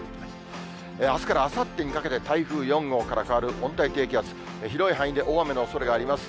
あすからあさってにかけて、台風４号から変わる温帯低気圧、広い範囲で大雨のおそれがあります。